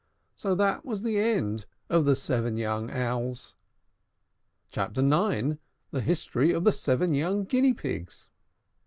So that was the end of the seven young Owls. CHAPTER IX. THE HISTORY OF THE SEVEN YOUNG GUINEA PIGS.